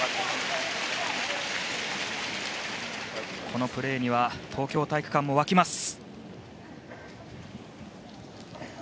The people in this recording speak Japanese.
このプレーには東京体育館も沸きます。